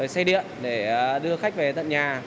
xe điện để đưa khách về tận nhà